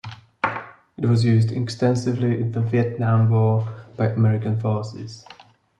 It was used extensively in the Vietnam War by American forces.